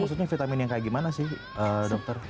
maksudnya vitamin yang kayak gimana sih dokter